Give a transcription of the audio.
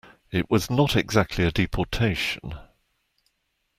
It was not exactly a deportation.